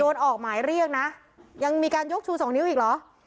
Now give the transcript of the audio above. ออกหมายเรียกนะยังมีการยกชูสองนิ้วอีกเหรอ